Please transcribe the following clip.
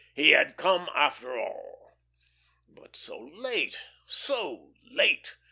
He had come after all. But so late, so late!